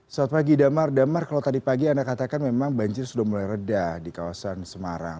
selamat pagi damar damar kalau tadi pagi anda katakan memang banjir sudah mulai reda di kawasan semarang